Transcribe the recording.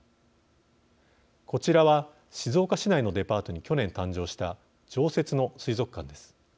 こちらは、静岡市内のデパートに去年誕生した常設の水族館です。